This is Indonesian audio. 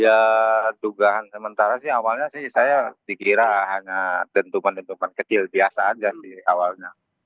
ya dugaan sementara sih awalnya sih saya dikira hanya dentuman dentuman kecil biasa aja sih awalnya